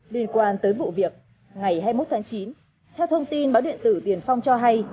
liên quan tới vụ việc ngày hai mươi một tháng chín theo thông tin báo điện tử tiền phong cho hay